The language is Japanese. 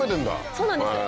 そうなんです。